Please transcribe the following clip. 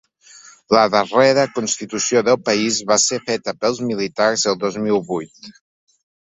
La darrera constitució del país va ser feta pels militars el dos mil vuit.